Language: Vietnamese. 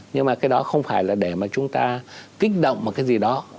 nhưng mà cái đó không phải là để mà chúng ta kích động một cái gì đó